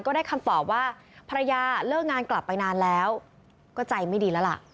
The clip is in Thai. ได้คำตอบว่าภรรยาเลิกงานกลับไปนานแล้วก็ใจไม่ดีแล้วล่ะ